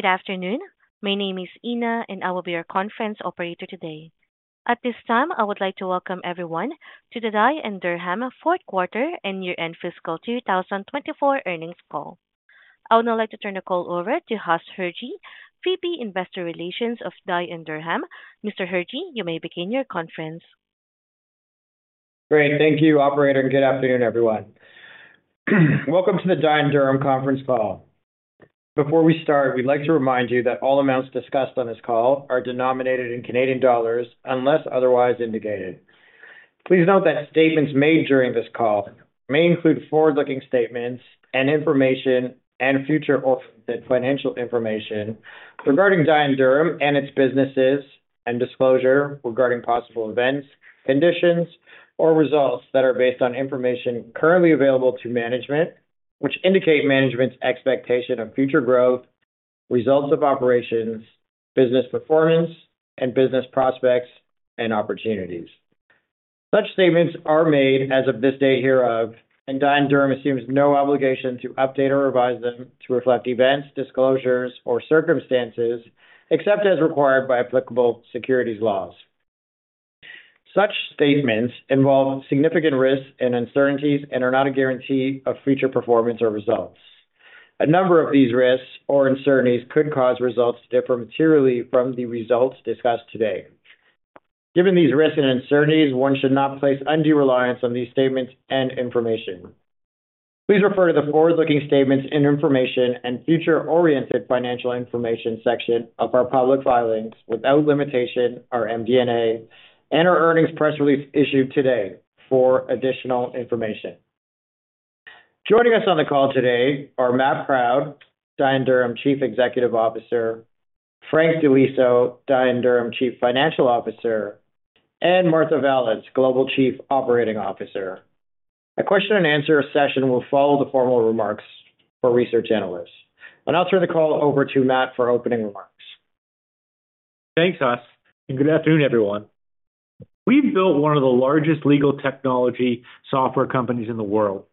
Good afternoon. My name is Ina, and I will be your conference operator today. At this time, I would like to welcome everyone to the Dye & Durham fourth quarter and year-end fiscal 2024 earnings call. I would now like to turn the call over to Huss Hirji, VP Investor Relations of Dye & Durham. Mr. Hirji, you may begin your conference. Great. Thank you, operator, and good afternoon, everyone. Welcome to the Dye & Durham conference call. Before we start, we'd like to remind you that all amounts discussed on this call are denominated in Canadian dollars, unless otherwise indicated. Please note that statements made during this call may include forward-looking statements and information and future-oriented financial information regarding Dye & Durham and its businesses, and disclosure regarding possible events, conditions, or results that are based on information currently available to management, which indicate management's expectation of future growth, results of operations, business performance, and business prospects and opportunities. Such statements are made as of this day hereof, and Dye & Durham assumes no obligation to update or revise them to reflect events, disclosures, or circumstances, except as required by applicable securities laws. Such statements involve significant risks and uncertainties and are not a guarantee of future performance or results. A number of these risks or uncertainties could cause results to differ materially from the results discussed today. Given these risks and uncertainties, one should not place undue reliance on these statements and information. Please refer to the forward-looking statements and information and future-oriented financial information section of our public filings, without limitation, our MD&A, and our earnings press release issued today for additional information. Joining us on the call today are Matt Proud, Dye & Durham Chief Executive Officer, Frank Di Liso, Dye & Durham Chief Financial Officer, and Martha Vallance, Global Chief Operating Officer. A question and answer session will follow the formal remarks for research analysts. I'll now turn the call over to Matt for opening remarks. Thanks, Huss, and good afternoon, everyone. We've built one of the largest legal technology software companies in the world.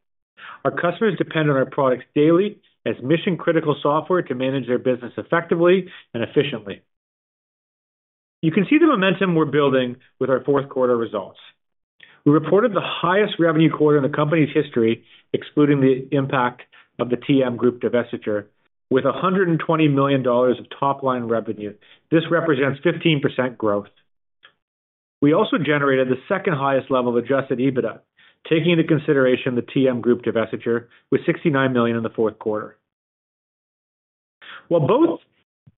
Our customers depend on our products daily as mission-critical software to manage their business effectively and efficiently. You can see the momentum we're building with our fourth quarter results. We reported the highest revenue quarter in the company's history, excluding the impact of the TM Group divestiture, with 120 million dollars of top-line revenue. This represents 15% growth. We also generated the second highest level of Adjusted EBITDA, taking into consideration the TM Group divestiture, with 69 million in the fourth quarter. While both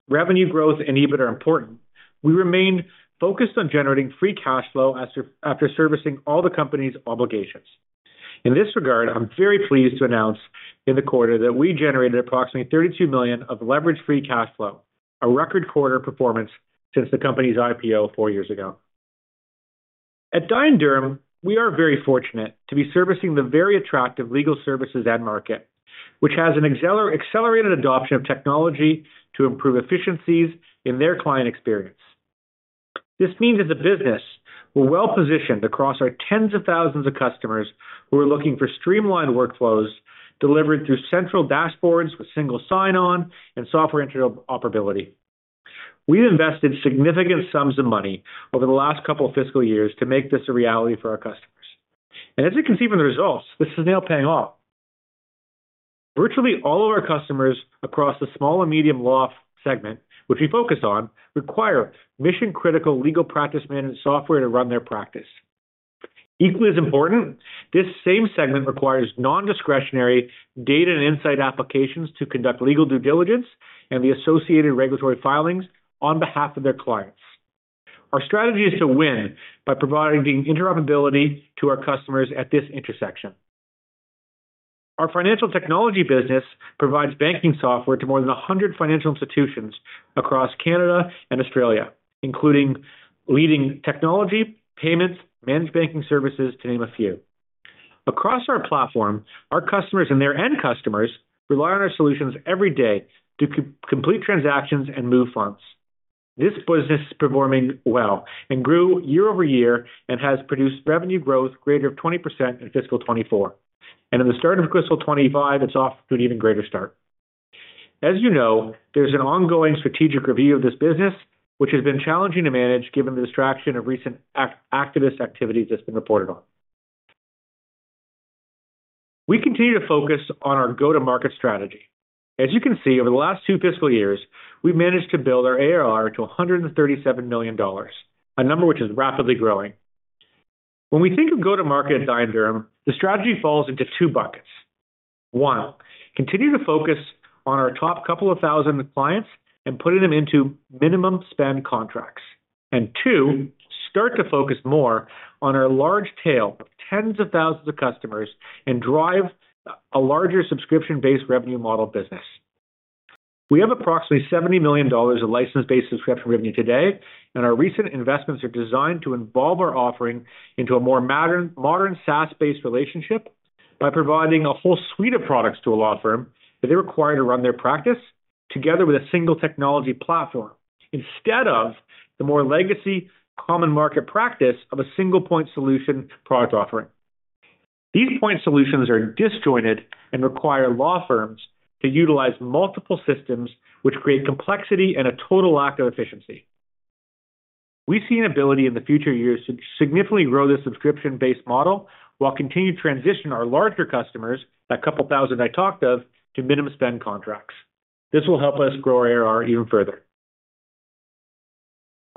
revenue growth and EBIT are important, we remain focused on generating free cash flow after servicing all the company's obligations. In this regard, I'm very pleased to announce in the quarter that we generated approximately 32 million of leveraged free cash flow, a record quarter performance since the company's IPO four years ago. At Dye & Durham, we are very fortunate to be servicing the very attractive legal services end-market, which has an accelerated adoption of technology to improve efficiencies in their client experience. This means as a business, we're well-positioned across our tens of thousands of customers who are looking for streamlined workflows delivered through central dashboards with single sign-on and software interoperability. We've invested significant sums of money over the last couple of fiscal years to make this a reality for our customers, and as you can see from the results, this is now paying off. Virtually all of our customers across the small and medium law segment, which we focus on, require mission-critical legal practice management software to run their practice. Equally as important, this same segment requires non-discretionary data and insight applications to conduct legal due diligence and the associated regulatory filings on behalf of their clients. Our strategy is to win by providing the interoperability to our customers at this intersection. Our financial technology business provides banking software to more than 100 financial institutions across Canada and Australia, including leading technology, payments, managed banking services, to name a few. Across our platform, our customers and their end customers rely on our solutions every day to complete transactions and move funds. This business is performing well and grew year over year and has produced revenue growth greater than 20% in fiscal 2024. At the start of fiscal 2025, it's off to an even greater start. As you know, there's an ongoing strategic review of this business, which has been challenging to manage, given the distraction of recent activist activities that's been reported on. We continue to focus on our go-to-market strategy. As you can see, over the last two fiscal years, we've managed to build our ARR to 137 million dollars, a number which is rapidly growing. When we think of go-to-market at Dye & Durham, the strategy falls into two buckets. One, continue to focus on our top couple of thousand clients and putting them into minimum spend contracts. Two, start to focus more on our large tail of tens of thousands of customers and drive a larger subscription-based revenue model business. We have approximately 70 million dollars of license-based subscription revenue today, and our recent investments are designed to involve our offering into a more modern SaaS-based relationship by providing a whole suite of products to a law firm that they require to run their practice, together with a single technology platform, instead of the more legacy common market practice of a single-point solution product offering. These point solutions are disjointed and require law firms to utilize multiple systems, which create complexity and a total lack of efficiency. We see an ability in the future years to significantly grow this subscription-based model, while continuing to transition our larger customers, that couple thousand I talked of, to minimum spend contracts. This will help us grow ARR even further.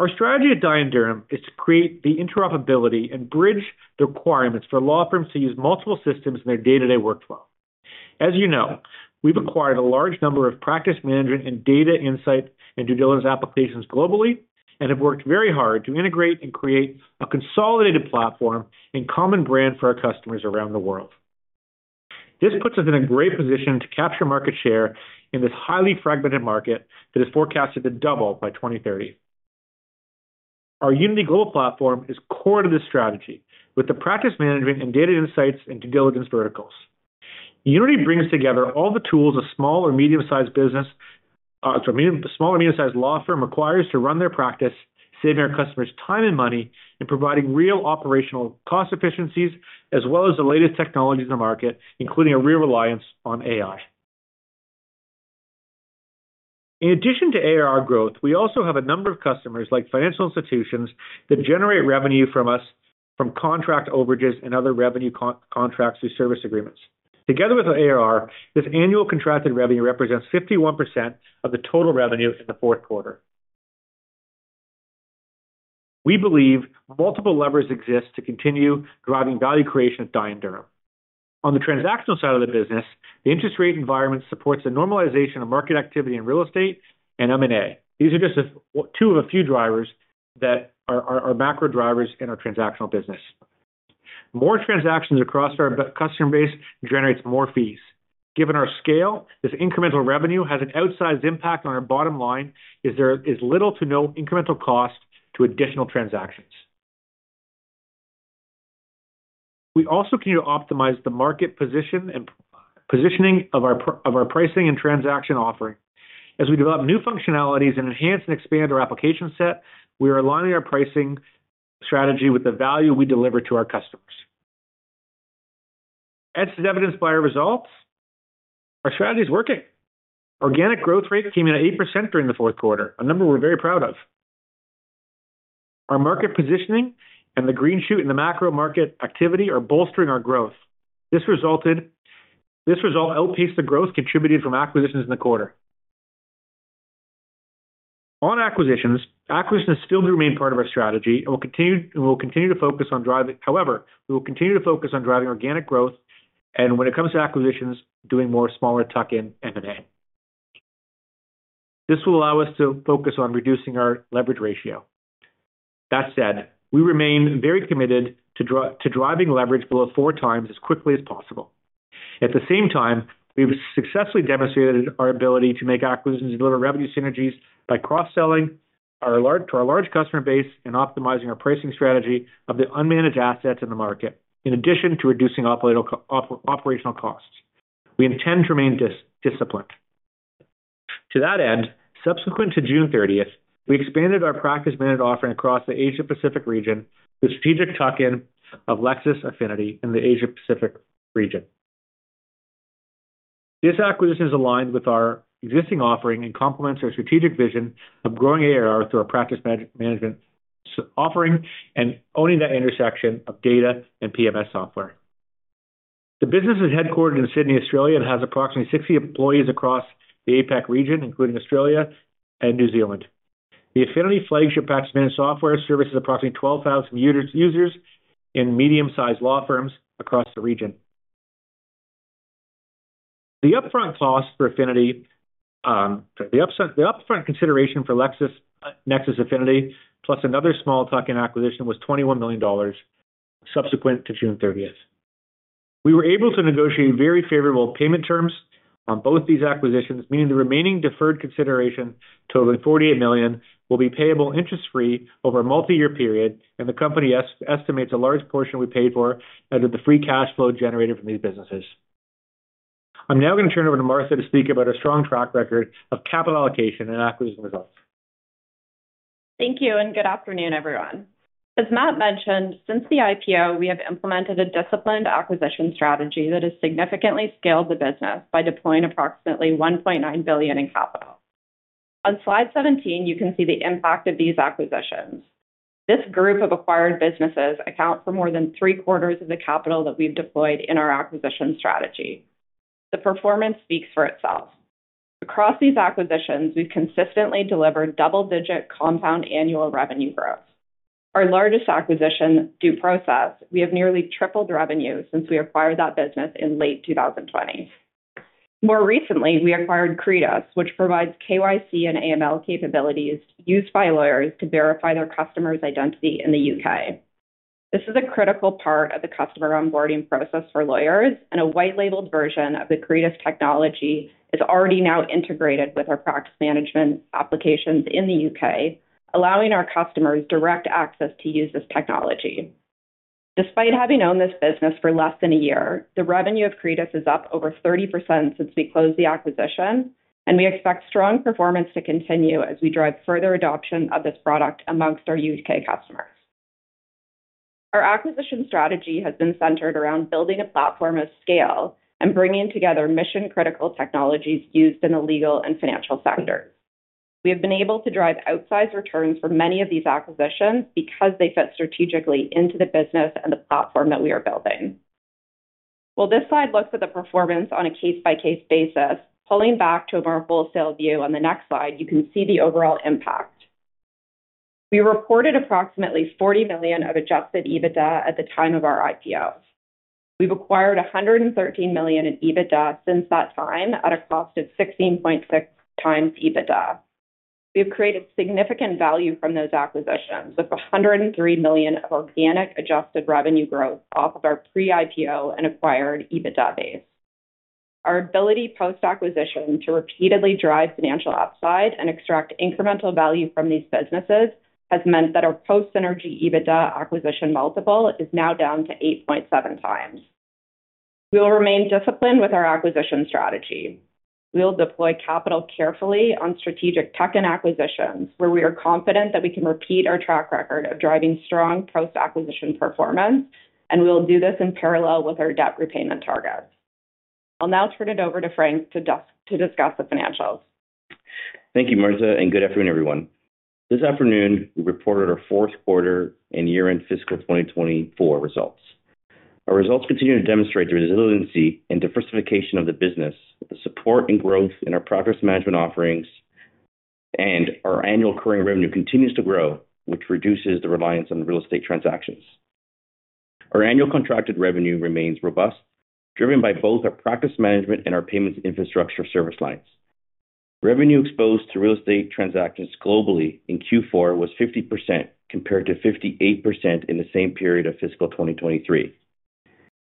Our strategy at Dye & Durham is to create the interoperability and bridge the requirements for law firms to use multiple systems in their day-to-day workflow. As you know, we've acquired a large number of practice management and data insights, and due diligence applications globally, and have worked very hard to integrate and create a consolidated platform and common brand for our customers around the world. This puts us in a great position to capture market share in this highly fragmented market that is forecasted to double by 2030. Our Unity global platform is core to this strategy, with the practice management and data insights and due diligence verticals. Unity brings together all the tools a small or medium-sized business, a small or medium-sized law firm requires to run their practice, saving our customers time and money, and providing real operational cost efficiencies, as well as the latest technologies in the market, including a real reliance on AI. In addition to ARR growth, we also have a number of customers, like financial institutions, that generate revenue from us from contract overages and other revenue contracts or service agreements. Together with our ARR, this annual contracted revenue represents 51% of the total revenue in the fourth quarter. We believe multiple levers exist to continue driving value creation at Dye & Durham. On the transactional side of the business, the interest rate environment supports a normalization of market activity in real estate and M&A. These are just two of a few drivers that are macro drivers in our transactional business. More transactions across our customer base generates more fees. Given our scale, this incremental revenue has an outsized impact on our bottom line, as there is little to no incremental cost to additional transactions. We also continue to optimize the market position and positioning of our pricing and transaction offering. As we develop new functionalities and enhance and expand our application set, we are aligning our pricing strategy with the value we deliver to our customers. As is evidenced by our results, our strategy is working. Organic growth rate came in at 8% during the fourth quarter, a number we're very proud of. Our market positioning and the green shoot in the macro market activity are bolstering our growth. This result outpaced the growth contributed from acquisitions in the quarter. On acquisitions, acquisitions are still the main part of our strategy. However, we will continue to focus on driving organic growth, and when it comes to acquisitions, doing more smaller tuck-in M&A. This will allow us to focus on reducing our leverage ratio. That said, we remain very committed to driving leverage below four times as quickly as possible. At the same time, we've successfully demonstrated our ability to make acquisitions and deliver revenue synergies by cross-selling to our large customer base and optimizing our pricing strategy of the unmanaged assets in the market, in addition to reducing operational costs. We intend to remain disciplined. To that end, subsequent to June 30th, we expanded our practice management offering across the Asia Pacific region with strategic tuck-in of Lexis Affinity in the Asia Pacific region. This acquisition is aligned with our existing offering and complements our strategic vision of growing ARR through our practice management offering and owning that intersection of data and PMS software. The business is headquartered in Sydney, Australia, and has approximately 60 employees across the APAC region, including Australia and New Zealand. The Affinity flagship practice management software services approximately 12,000 users in medium-sized law firms across the region. The upfront cost for Affinity, the upfront consideration for Lexis Affinity, plus another small tuck-in acquisition, was 21 million dollars subsequent to June 30th. We were able to negotiate very favorable payment terms on both these acquisitions, meaning the remaining deferred consideration, total of 48 million, will be payable interest-free over a multi-year period, and the company estimates a large portion will be paid for out of the Free Cash Flow generated from these businesses. I'm now going to turn it over to Martha to speak about our strong track record of capital allocation and acquisition results. Thank you, and good afternoon, everyone. As Matt mentioned, since the IPO, we have implemented a disciplined acquisition strategy that has significantly scaled the business by deploying approximately 1.9 billion in capital. On slide 17, you can see the impact of these acquisitions. This group of acquired businesses account for more than three-quarters of the capital that we've deployed in our acquisition strategy. The performance speaks for itself. Across these acquisitions, we've consistently delivered double-digit compound annual revenue growth. Our largest acquisition, DoProcess, we have nearly tripled revenue since we acquired that business in late 2020. More recently, we acquired Credas, which provides KYC and AML capabilities used by lawyers to verify their customer's identity in the U.K.. This is a critical part of the customer onboarding process for lawyers, and a white-labeled version of the Credas technology is already now integrated with our practice management applications in the U.K., allowing our customers direct access to use this technology. Despite having owned this business for less than a year, the revenue of Credas is up over 30% since we closed the acquisition, and we expect strong performance to continue as we drive further adoption of this product amongst our U.K. customers. Our acquisition strategy has been centered around building a platform of scale and bringing together mission-critical technologies used in the legal and financial sector. We have been able to drive outsized returns for many of these acquisitions because they fit strategically into the business and the platform that we are building. While this slide looks at the performance on a case-by-case basis, pulling back to a more full-scale view on the next slide, you can see the overall impact. We reported approximately 40 million of adjusted EBITDA at the time of our IPO. We've acquired 113 million in EBITDA since that time, at a cost of 16.6 times EBITDA. We've created significant value from those acquisitions, with 103 million of organic adjusted revenue growth off of our pre-IPO and acquired EBITDA base. Our ability, post-acquisition, to repeatedly drive financial upside and extract incremental value from these businesses, has meant that our post-synergy EBITDA acquisition multiple is now down to 8.7 times. We will remain disciplined with our acquisition strategy. We will deploy capital carefully on strategic tech and acquisitions, where we are confident that we can repeat our track record of driving strong post-acquisition performance, and we'll do this in parallel with our debt repayment targets. I'll now turn it over to Frank to discuss the financials. Thank you, Martha, and good afternoon, everyone. This afternoon, we reported our fourth quarter and year-end fiscal 2024 results. Our results continue to demonstrate the resiliency and diversification of the business, with the support and growth in our practice management offerings, and our annual recurring revenue continues to grow, which reduces the reliance on real estate transactions. Our annual contracted revenue remains robust, driven by both our practice management and our payments infrastructure service lines. Revenue exposed to real estate transactions globally in Q4 was 50%, compared to 58% in the same period of fiscal 2023.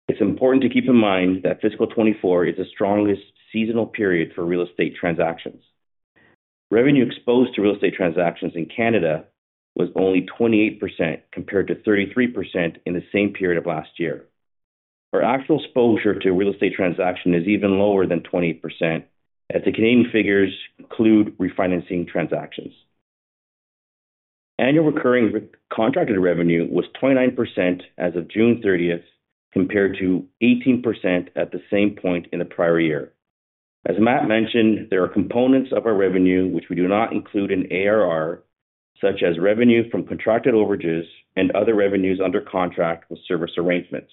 It's important to keep in mind that fiscal 2024 is the strongest seasonal period for real estate transactions. Revenue exposed to real estate transactions in Canada was only 28%, compared to 33% in the same period of last year. Our actual exposure to real estate transaction is even lower than 28%, as the Canadian figures include refinancing transactions. Annual recurring contracted revenue was 29% as of June 30th, compared to 18% at the same point in the prior year. As Matt mentioned, there are components of our revenue which we do not include in ARR, such as revenue from contracted overages and other revenues under contract with service arrangements.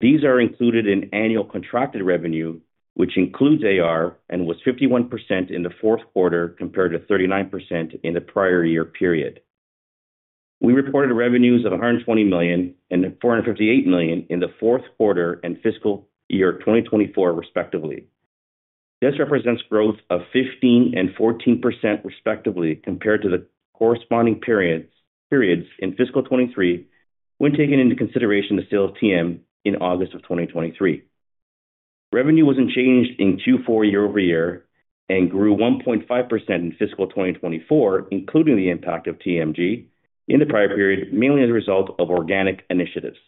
These are included in annual contracted revenue, which includes ARR, and was 51% in the fourth quarter, compared to 39% in the prior year period. We reported revenues of 120 million and 458 million in the fourth quarter and fiscal year 2024, respectively. This represents growth of 15% and 14%, respectively, compared to the corresponding periods in fiscal 2023, when taking into consideration the sale of TM in August 2023. Revenue was unchanged in Q4 year over year and grew 1.5% in fiscal 2024, including the impact of TM in the prior period, mainly as a result of organic initiatives.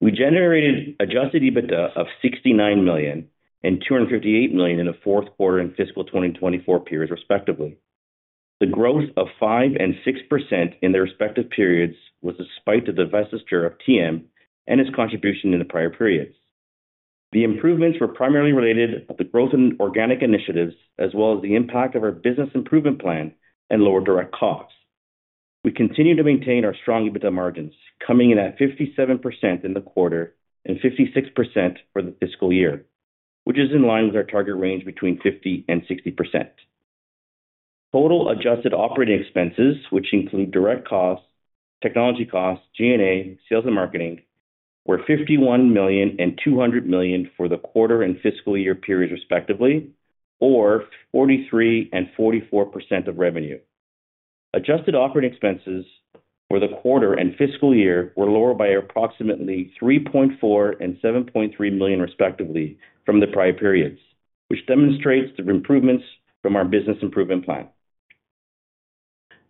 We generated Adjusted EBITDA of 69 million and 258 million in the fourth quarter and fiscal 2024 periods, respectively. The growth of 5% and 6% in their respective periods was despite the divestiture of TM and its contribution in the prior periods. The improvements were primarily related to the growth in organic initiatives, as well as the impact of our Business Improvement Plan and lower direct costs. We continue to maintain our strong EBITDA margins, coming in at 57% in the quarter and 56% for the fiscal year, which is in line with our target range, between 50% and 60%. Total adjusted operating expenses, which include direct costs, technology costs, G&A, sales and marketing, were 51 million and 200 million for the quarter and fiscal year periods, respectively, or 43% and 44% of revenue. Adjusted operating expenses for the quarter and fiscal year were lower by approximately 3.4 and 7.3 million, respectively, from the prior periods, which demonstrates the improvements from our Business Improvement Plan.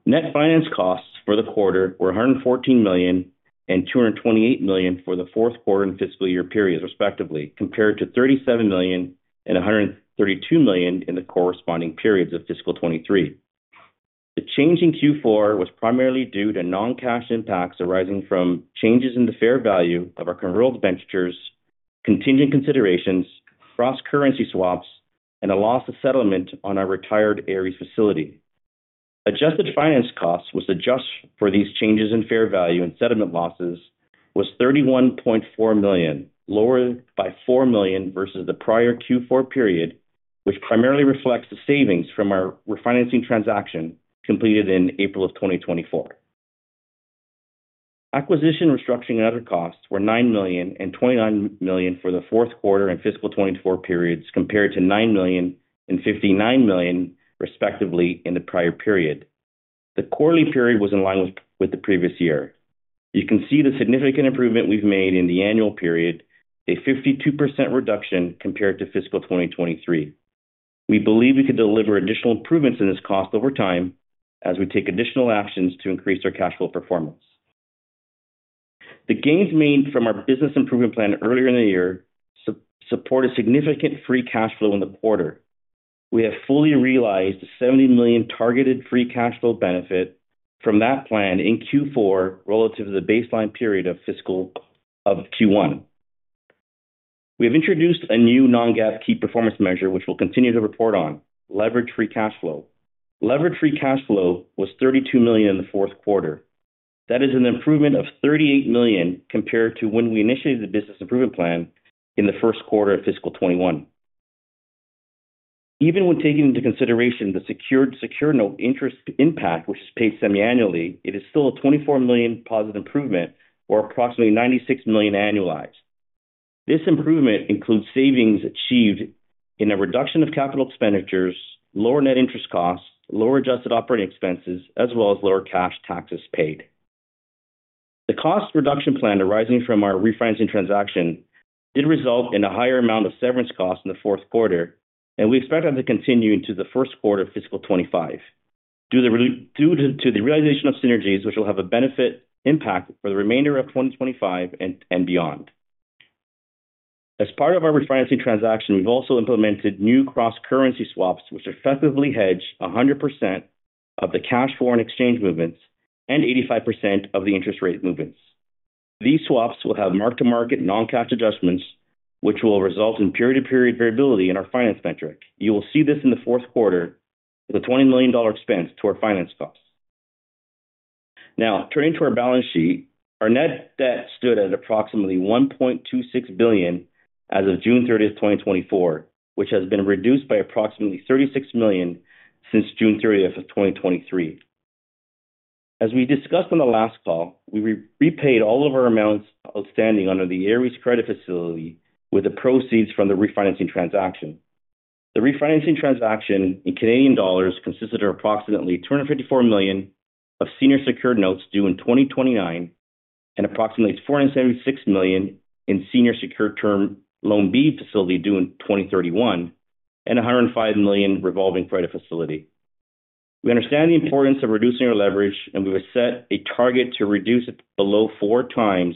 Net finance costs for the quarter were 114 million and 228 million for the fourth quarter and fiscal year periods, respectively, compared to 37 million and 132 million in the corresponding periods of fiscal 2023. The change in Q4 was primarily due to non-cash impacts arising from changes in the fair value of our convertible debentures, contingent considerations, cross-currency swaps, and a loss on settlement on our retired Ares facility. Adjusted finance costs, adjusted for these changes in fair value and settlement losses, was 31.4 million, lower by 4 million versus the prior Q4 period, which primarily reflects the savings from our refinancing transaction completed in April 2024. Acquisition, restructuring, and other costs were 9 million and 29 million for the fourth quarter and fiscal 2024 periods, compared to 9 million and 59 million, respectively, in the prior period. The quarterly period was in line with the previous year. You can see the significant improvement we've made in the annual period, a 52% reduction compared to fiscal 2023. We believe we can deliver additional improvements in this cost over time as we take additional actions to increase our cash flow performance. The gains made from our business improvement plan earlier in the year support a significant free cash flow in the quarter. We have fully realized the 70 million targeted free cash flow benefit from that plan in Q4 relative to the baseline period of fiscal Q1. We have introduced a new non-GAAP key performance measure, which we'll continue to report on: leveraged free cash flow. Leveraged free cash flow was 32 million in the fourth quarter. That is an improvement of 38 million compared to when we initiated the business improvement plan in the first quarter of fiscal 2021. Even when taking into consideration the secured note interest impact, which is paid semi-annually, it is still a 24 million positive improvement or approximately 96 million annualized. This improvement includes savings achieved in a reduction of capital expenditures, lower net interest costs, lower adjusted operating expenses, as well as lower cash taxes paid. The cost reduction plan arising from our refinancing transaction did result in a higher amount of severance costs in the fourth quarter, and we expect that to continue into the first quarter of fiscal 2025, due to the realization of synergies, which will have a benefit impact for the remainder of 2025 and beyond. As part of our refinancing transaction, we've also implemented new cross-currency swaps, which effectively hedge 100% of the cash foreign exchange movements and 85% of the interest rate movements. These swaps will have mark-to-market non-cash adjustments, which will result in period-to-period variability in our finance metric. You will see this in the fourth quarter with a 20 million dollar expense to our finance costs. Now, turning to our balance sheet, our net debt stood at approximately 1.26 billion as of June 30th, 2024, which has been reduced by approximately 36 million since June 30th of 2023. As we discussed on the last call, we repaid all of our amounts outstanding under the Ares credit facility with the proceeds from the refinancing transaction. The refinancing transaction in Canadian dollars consisted of approximately 254 million of senior secured notes due in 2029, and approximately 476 million in senior secured Term Loan B facility due in 2031, and 105 million revolving credit facility. We understand the importance of reducing our leverage, and we have set a target to reduce it below four times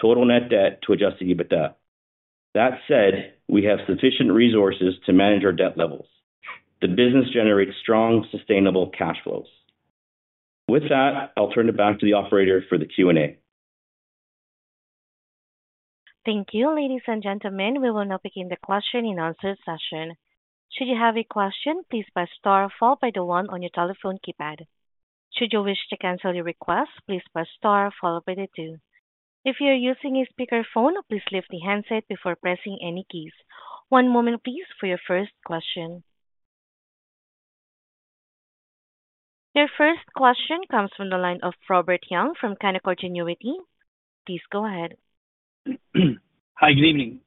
total net debt to Adjusted EBITDA. That said, we have sufficient resources to manage our debt levels. The business generates strong, sustainable cash flows. With that, I'll turn it back to the operator for the Q&A. Thank you, ladies and gentlemen. We will now begin the question and answer session. Should you have a question, please press star, followed by the one on your telephone keypad. Should you wish to cancel your request, please press star followed by the two. If you are using a speakerphone, please lift the handset before pressing any keys. One moment, please, for your first question. Your first question comes from the line of Robert Young from Canaccord Genuity. Please go ahead. Hi, good evening.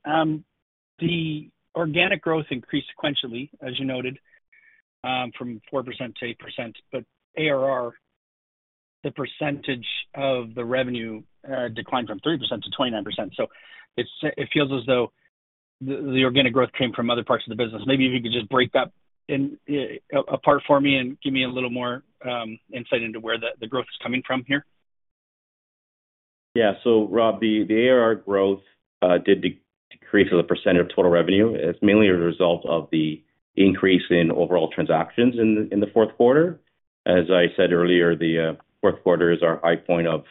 The organic growth increased sequentially, as you noted, from 4% to 8%, but ARR, the percentage of the revenue, declined from 3% to 29%. So it feels as though the organic growth came from other parts of the business. Maybe if you could just break that apart for me and give me a little more insight into where the growth is coming from here. Yeah. So Rob, the ARR growth did decrease as a percentage of total revenue. It's mainly a result of the increase in overall transactions in the fourth quarter. As I said earlier, the fourth quarter is our high point of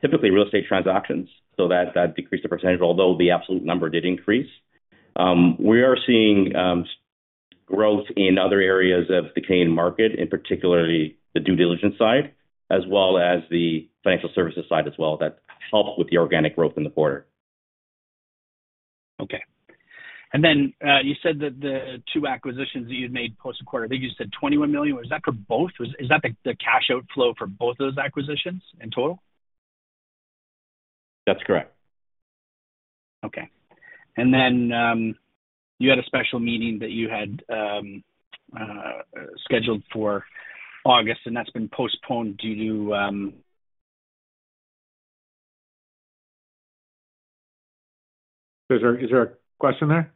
typically real estate transactions, so that decreased the percentage, although the absolute number did increase. We are seeing growth in other areas of the Canadian market, in particular the due diligence side, as well as the financial services side as well that helped with the organic growth in the quarter. Okay. And then, you said that the two acquisitions that you'd made post a quarter, I think you said 21 million. Was that for both? Is that the cash outflow for both those acquisitions in total? That's correct. Okay. And then, you had a special meeting that you had scheduled for August, and that's been postponed due to... Is there a question there?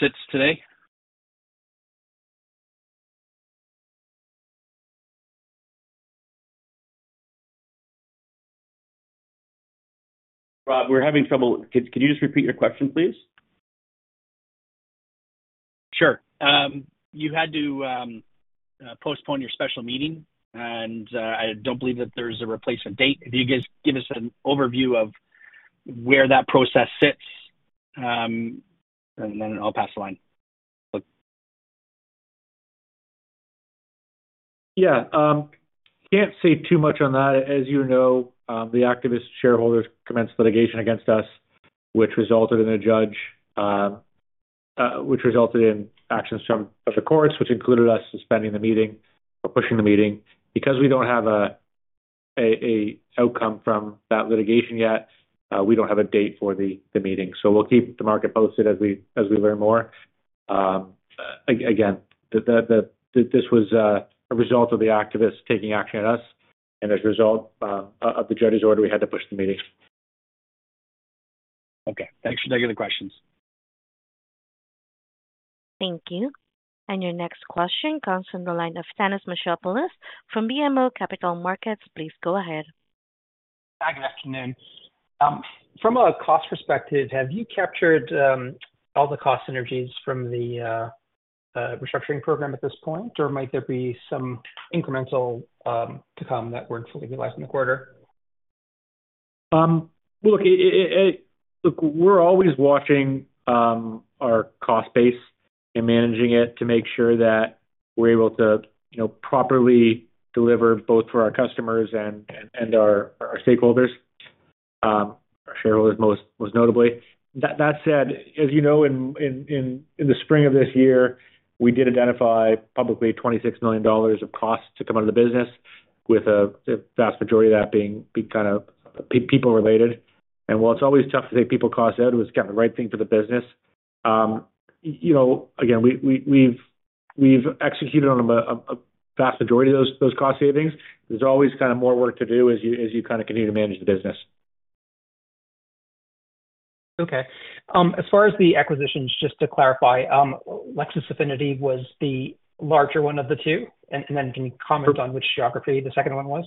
Sits today. Rob, we're having trouble. Can you just repeat your question, please? Sure. You had to postpone your special meeting, and I don't believe that there's a replacement date. If you just give us an overview of where that process sits, and then I'll pass the line. Yeah. Can't say too much on that. As you know, the activist shareholders commenced litigation against us, which resulted in actions from the courts, which included us suspending the meeting or pushing the meeting. Because we don't have an outcome from that litigation yet, we don't have a date for the meeting. So we'll keep the market posted as we learn more. Again, this was a result of the activists taking action on us, and as a result of the judge's order, we had to push the meeting. Okay. Thanks for taking the questions. Thank you. And your next question comes from the line of Thanos Moschopoulos from BMO Capital Markets. Please go ahead. Hi, good afternoon. From a cost perspective, have you captured all the cost synergies from the restructuring program at this point? Or might there be some incremental to come that weren't fully realized in the quarter? Look, we're always watching our cost base and managing it to make sure that we're able to, you know, properly deliver both for our customers and our stakeholders, our shareholders, most notably. That said, as you know, in the spring of this year, we did identify probably 26 million dollars of costs to come out of the business with a vast majority of that being kind of people related. And while it's always tough to take people costs out, it was kind of the right thing for the business. You know, again, we've executed on a vast majority of those cost savings. There's always kind of more work to do as you kind of continue to manage the business. Okay. As far as the acquisitions, just to clarify, Lexis Affinity was the larger one of the two? And then can you comment on which geography the second one was?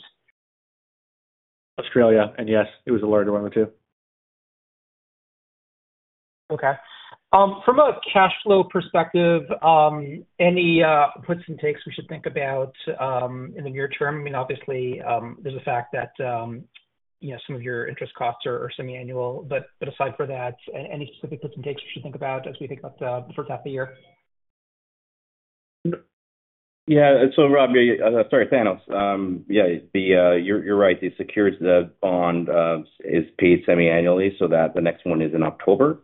Australia, and yes, it was the larger one of the two. Okay. From a cash flow perspective, any puts and takes we should think about in the near term? I mean, obviously, there's the fact that, you know, some of your interest costs are semiannual, but aside from that, any specific puts and takes we should think about as we think about the first half of the year? Yeah. So Robbie, sorry, Thanos. Yeah, you're right. The securities, the bond, is paid semiannually so that the next one is in October.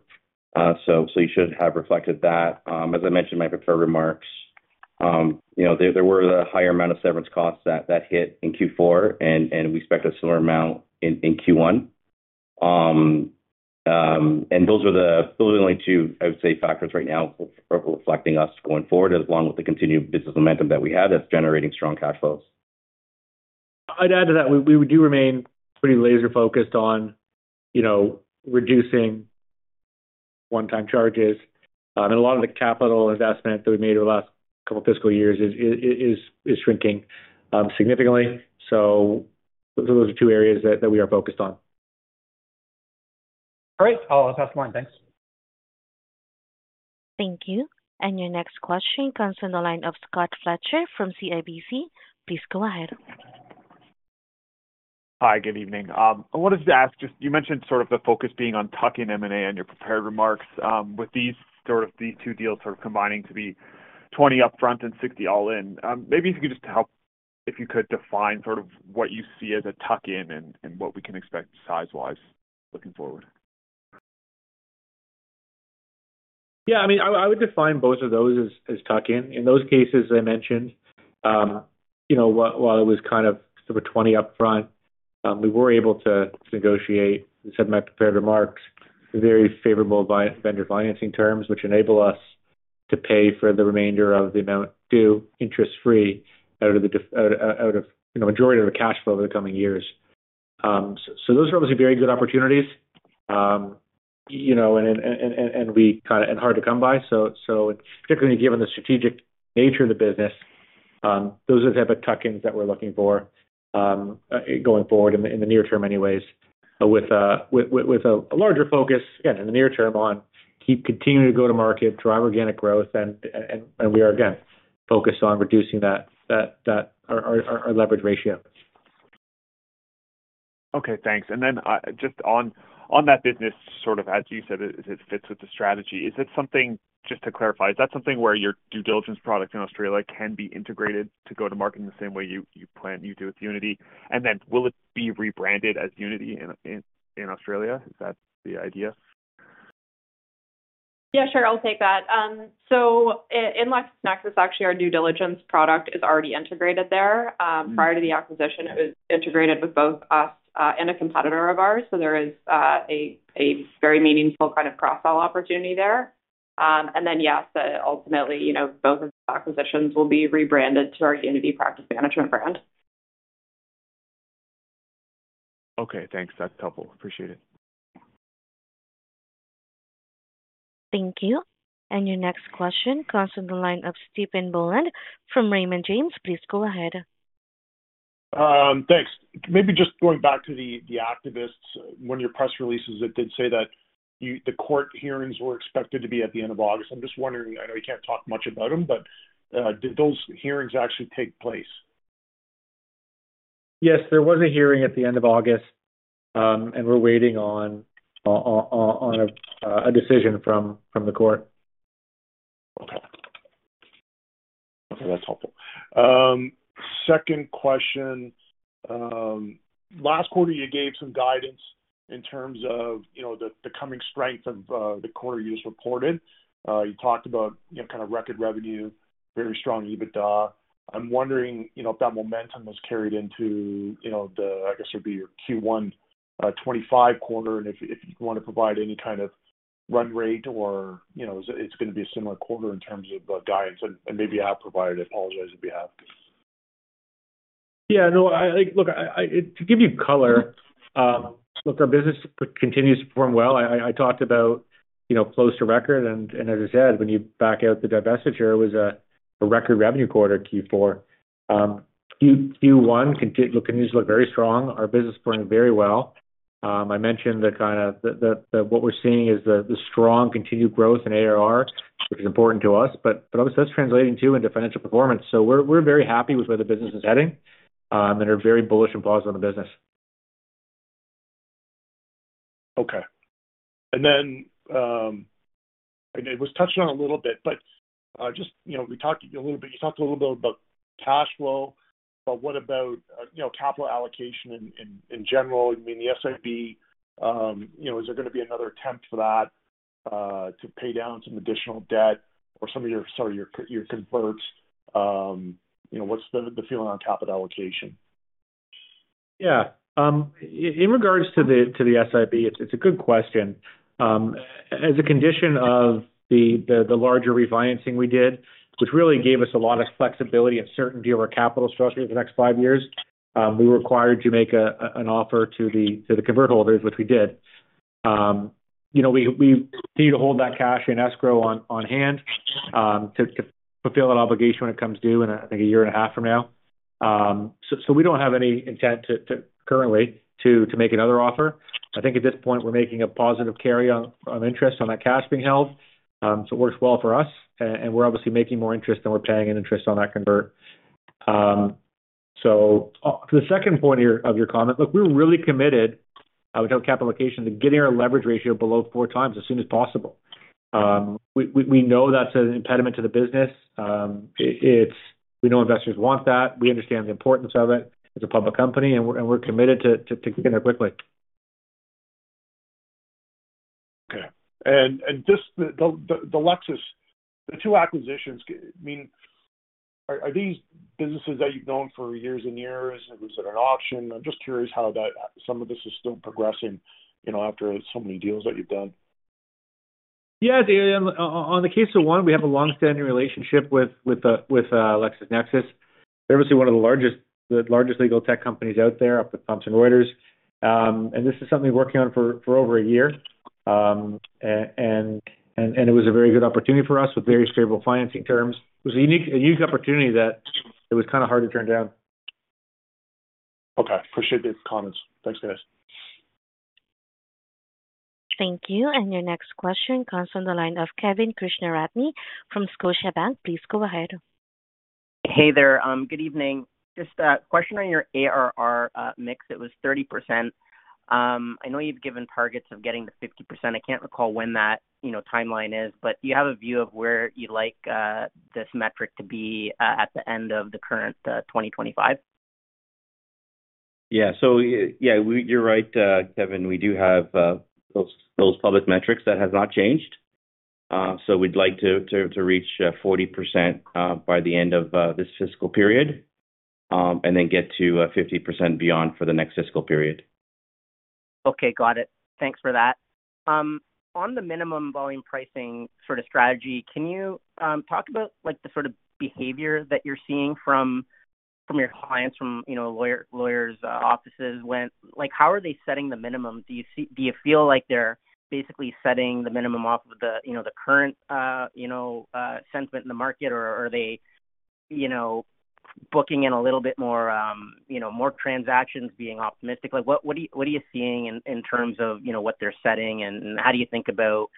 So you should have reflected that. As I mentioned in my prepared remarks, you know, there were a higher amount of severance costs that hit in Q4, and we expect a similar amount in Q1. And those are the only two, I would say, factors right now reflecting us going forward, along with the continued business momentum that we have that's generating strong cash flows. I'd add to that, we do remain pretty laser focused on, you know, reducing one-time charges. And a lot of the capital investment that we made over the last couple of fiscal years is shrinking significantly. So those are two areas that we are focused on. Great. I'll pass the line. Thanks. Thank you. And your next question comes from the line of Scott Fletcher from CIBC. Please go ahead. Hi, good evening. I wanted to ask, just you mentioned sort of the focus being on tuck-in M&A in your prepared remarks, with these sort of the two deals sort of combining to be 20 upfront and 60 all in. Maybe if you could just help define sort of what you see as a tuck-in and what we can expect size-wise looking forward. Yeah, I mean, I would define both of those as tuck-in. In those cases I mentioned, you know, while it was kind of sort of twenty upfront, we were able to negotiate, as I said in my prepared remarks, very favorable vendor financing terms, which enable us to pay for the remainder of the amount due interest-free out of, you know, majority of the cash flow over the coming years. So those are obviously very good opportunities. You know, and hard to come by, so particularly given the strategic nature of the business, those are the type of tuck-ins that we're looking for, going forward in the near term anyways. With a larger focus, again, in the near term, on continuing to go to market, drive organic growth, and we are again focused on reducing our leverage ratio. Okay, thanks. And then, just on that business, sort of as you said, it fits with the strategy. Is it something... Just to clarify, is that something where your due diligence products in Australia can be integrated to go to market in the same way you plan to do with Unity? And then will it be rebranded as Unity in Australia? Is that the idea? Yeah, sure. I'll take that. So in LexisNexis, actually, our due diligence product is already integrated there. Prior to the acquisition, it was integrated with both us and a competitor of ours. So there is a very meaningful kind of cross-sell opportunity there. And then, yes, ultimately, you know, both of the acquisitions will be rebranded to our Unity Practice Management brand. Okay, thanks. That's helpful. Appreciate it. Thank you. And your next question comes from the line of Stephen Boland from Raymond James. Please go ahead. Thanks. Maybe just going back to the activists. One of your press releases, it did say that you, the court hearings were expected to be at the end of August. I'm just wondering, I know you can't talk much about them, but, did those hearings actually take place? Yes, there was a hearing at the end of August, and we're waiting on a decision from the court. Okay. Okay, that's helpful. Second question. Last quarter, you gave some guidance in terms of, you know, the coming strength of, the quarter you just reported. You talked about, you know, kind of record revenue, very strong EBITDA. I'm wondering, you know, if that momentum was carried into, you know, the, I guess it would be your Q1, 2025 quarter, and if you want to provide any kind of run rate or, you know, it's going to be a similar quarter in terms of, guidance and maybe I provided, I apologize if you have.... Yeah, no, like, look, I, to give you color, look, our business continues to perform well. I talked about, you know, close to record, and as I said, when you back out the divestiture, it was a record revenue quarter, Q4. Q1 continues to look very strong. Our business is performing very well. I mentioned the kind of the what we're seeing is the strong continued growth in ARR, which is important to us, but obviously that's translating too into financial performance. So we're very happy with where the business is heading, and are very bullish and positive on the business. Okay. And then, and it was touched on a little bit, but, just, you know, we talked a little bit-- you talked a little bit about cash flow, but what about, you know, capital allocation in general? I mean, the SIB, you know, is there gonna be another attempt for that, to pay down some additional debt or some of your, your converts? You know, what's the feeling on capital allocation? Yeah. In regards to the SIB, it's a good question. As a condition of the larger refinancing we did, which really gave us a lot of flexibility and certainty over our capital structure for the next five years, we were required to make an offer to the convert holders, which we did. You know, we need to hold that cash in escrow on hand to fulfill that obligation when it comes due in, I think, a year and a half from now. So we don't have any intent to currently make another offer. I think at this point, we're making a positive carry on interest on that cash being held. So it works well for us, and we're obviously making more interest than we're paying in interest on that convert. So, to the second point here of your comment, look, we're really committed with our capital allocation to getting our leverage ratio below four times as soon as possible. We know that's an impediment to the business. It's... We know investors want that. We understand the importance of it as a public company, and we're committed to get there quickly. Okay. And just the Lexis, the two acquisitions, I mean, are these businesses that you've known for years and years, or was it an auction? I'm just curious how that some of this is still progressing, you know, after so many deals that you've done. Yeah, on the case of one, we have a long-standing relationship with LexisNexis. They're obviously one of the largest legal tech companies out there, up with Thomson Reuters, and this is something we've been working on for over a year, and it was a very good opportunity for us with very stable financing terms. It was a unique opportunity that it was kind of hard to turn down. Okay, appreciate the comments. Thanks, guys. Thank you. And your next question comes from the line of Kevin Krishnaratne from Scotiabank. Please go ahead. Hey there, good evening. Just a question on your ARR mix. It was 30%. I know you've given targets of getting to 50%. I can't recall when that, you know, timeline is, but do you have a view of where you'd like this metric to be at the end of the current 2025? Yeah, so, yeah, we... You're right, Kevin, we do have those public metrics. That has not changed, so we'd like to reach 40% by the end of this fiscal period, and then get to 50% and beyond for the next fiscal period. Okay, got it. Thanks for that. On the minimum volume pricing sort of strategy, can you talk about like the sort of behavior that you're seeing from your clients, from you know, lawyer, lawyers, offices when like, how are they setting the minimum? Do you feel like they're basically setting the minimum off of the you know, the current you know, sentiment in the market, or are they you know, booking in a little bit more you know, more transactions, being optimistic? Like, what are you seeing in terms of, you know, what they're setting, and how do you think about,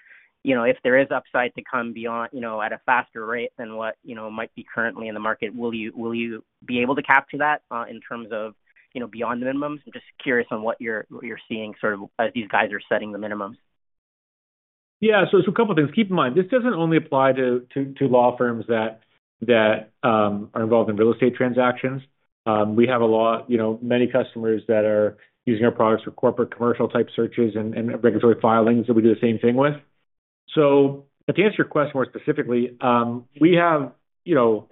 you know, if there is upside to come beyond, you know, at a faster rate than what, you know, might be currently in the market, will you be able to capture that in terms of, you know, beyond minimums? Just curious on what you're seeing sort of as these guys are setting the minimums. Yeah. So a couple things. Keep in mind, this doesn't only apply to law firms that are involved in real estate transactions. We have a lot, you know, many customers that are using our products for corporate commercial-type searches and regulatory filings that we do the same thing with. So to answer your question more specifically, we have, you know,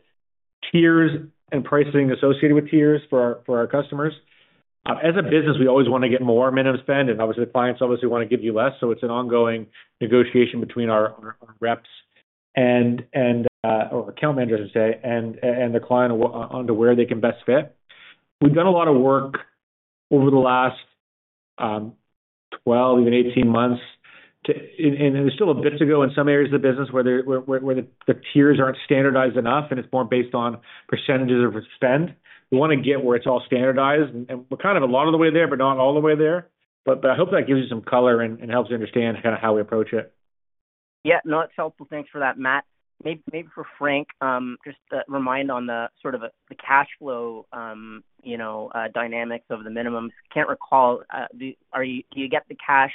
tiers and pricing associated with tiers for our customers. As a business, we always wanna get more minimum spend, and obviously clients wanna give you less, so it's an ongoing negotiation between our reps and, or account managers I should say, and the client on to where they can best fit. We've done a lot of work over the last 12, even 18 months, to... And there's still a bit to go in some areas of the business where the tiers aren't standardized enough, and it's more based on percentages of spend. We want to get where it's all standardized, and we're kind of a lot of the way there, but not all the way there. But I hope that gives you some color and helps you understand kind of how we approach it. Yeah. No, it's helpful. Thanks for that, Matt. Maybe for Frank, just a reminder on the sort of the cash flow, you know, dynamics of the minimums. Can't recall, do you get the cash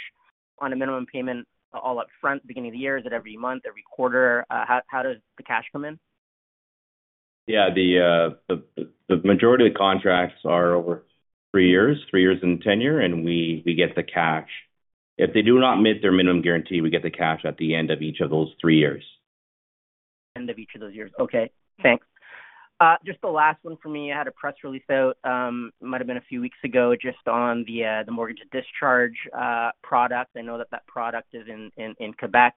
on a minimum payment all upfront, beginning of the year? Is it every month, every quarter? How does the cash come in? Yeah, the majority of the contracts are over three years, three years in tenure, and we get the cash. If they do not meet their minimum guarantee, we get the cash at the end of each of those three years. End of each of those years. Okay, thanks. Just the last one for me. I had a press release out, it might have been a few weeks ago, just on the mortgage discharge product. I know that product is in Quebec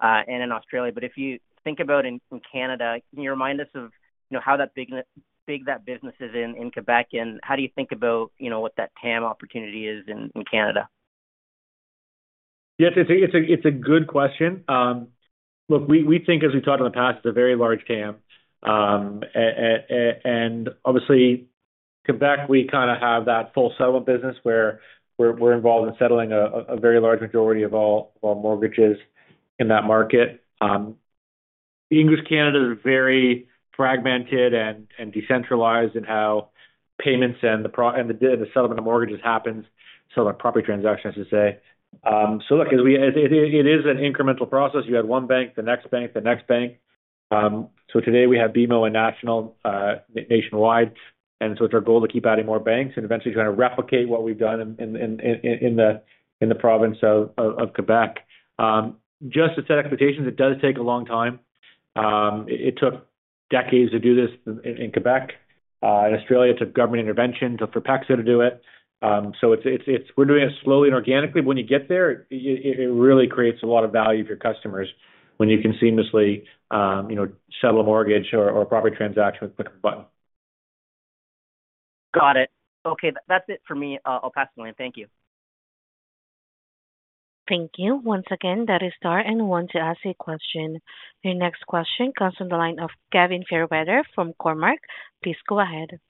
and in Australia, but if you think about in Canada, can you remind us of, you know, how big that business is in Quebec, and how do you think about, you know, what that TAM opportunity is in Canada? ... Yes, it's a good question. Look, we think, as we've talked in the past, it's a very large TAM. And obviously, Quebec, we kind of have that full settlement business where we're involved in settling a very large majority of all mortgages in that market. The English Canada are very fragmented and decentralized in how payments and the settlement of mortgages happens, so like property transactions, to say. So look, as we, it is an incremental process. You add one bank, the next bank, the next bank. So today we have BMO and National, and so it's our goal to keep adding more banks and eventually kind of replicate what we've done in the province of Quebec. Just to set expectations, it does take a long time. It took decades to do this in Quebec. In Australia, it took government intervention, took PEXA to do it. So it's. We're doing it slowly and organically, but when you get there, it really creates a lot of value for your customers when you can seamlessly, you know, settle a mortgage or a property transaction with the click of a button. Got it. Okay, that's it for me. I'll pass the line. Thank you. Thank you. Once again, that is star one to ask a question. Your next question comes from the line of Gavin Fairweather from Cormark. Please go ahead.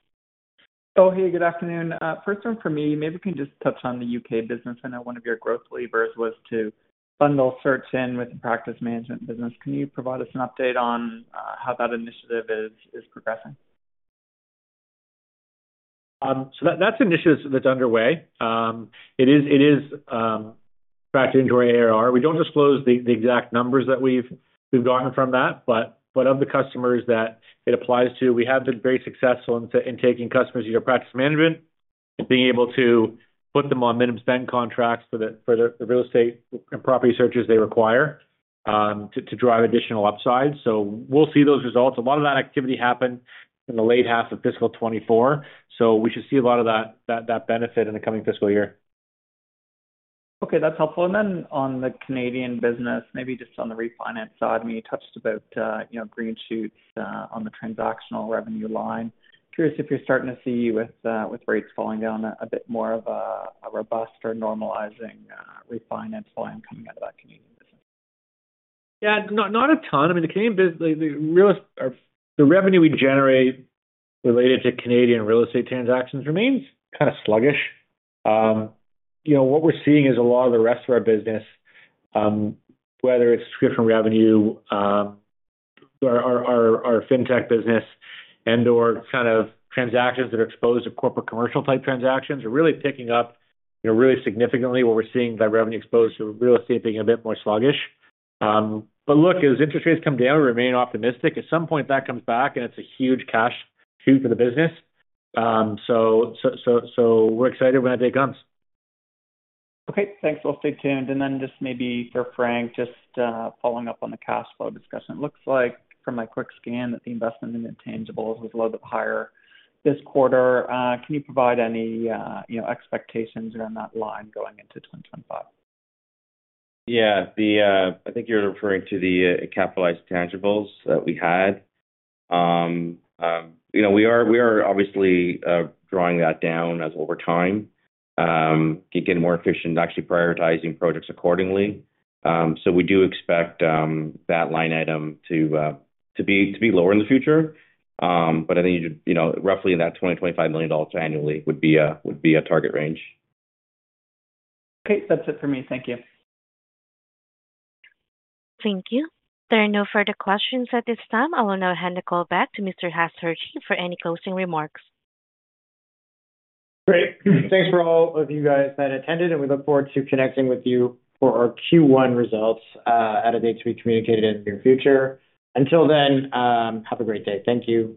Oh, hey, good afternoon. First one for me, maybe you can just touch on the UK business. I know one of your growth levers was to bundle search in with the practice management business. Can you provide us an update on how that initiative is progressing? So that, that's an initiative that's underway. It is factored into our ARR. We don't disclose the exact numbers that we've gotten from that, but of the customers that it applies to, we have been very successful in taking customers into practice management and being able to put them on minimum spend contracts for the real estate and property searches they require, to drive additional upside. So we'll see those results. A lot of that activity happened in the late half of fiscal 2024, so we should see a lot of that benefit in the coming fiscal year. Okay, that's helpful. And then on the Canadian business, maybe just on the refinance side, I mean, you touched about, you know, green shoots, on the transactional revenue line. Curious if you're starting to see with, with rates falling down a bit more of a, a robust or normalizing, refinance line coming out of that Canadian business? Yeah, not a ton. I mean, the Canadian business, the revenue we generate related to Canadian real estate transactions remains kind of sluggish. You know, what we're seeing is a lot of the rest of our business, whether it's subscription revenue, our fintech business and/or kind of transactions that are exposed to corporate commercial-type transactions are really picking up, you know, really significantly what we're seeing by revenue exposed to real estate being a bit more sluggish. But look, as interest rates come down, we remain optimistic. At some point, that comes back, and it's a huge cash cow for the business. So we're excited when that day comes. Okay, thanks. We'll stay tuned. And then just maybe for Frank, just following up on the cash flow discussion. It looks like from my quick scan, that the investment in intangibles was a little bit higher this quarter. Can you provide any, you know, expectations around that line going into 2025? Yeah. The, I think you're referring to the, capitalized tangibles that we had. You know, we are obviously drawing that down as over time, getting more efficient and actually prioritizing projects accordingly. So we do expect that line item to be lower in the future. But I think, you know, roughly in that 20-25 million dollars annually would be a target range. Okay. That's it for me. Thank you. Thank you. There are no further questions at this time. I will now hand the call back to Mr. Hirji for any closing remarks. Great. Thanks for all of you guys that attended, and we look forward to connecting with you for our Q1 results at a date to be communicated in the near future. Until then, have a great day. Thank you.